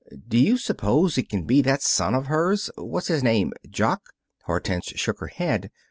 Do you suppose it can be that son of hers what's his name? Jock." Hortense shook her head.